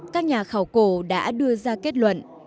các nhà khẩu cổ đã đưa ra kết luận